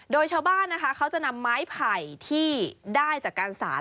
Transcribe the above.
โดยชาวบ้านนะคะเขาจะนำไม้ไผ่ที่ได้จากการสาร